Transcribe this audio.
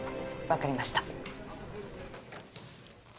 分かりました。